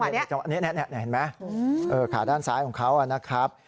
นี่เห็นไหมขาด้านซ้ายของเขานะครับ